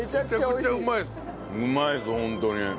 うまいですホントに。